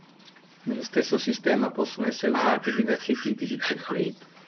Nello stesso sistema possono essere usati diversi tipi di template.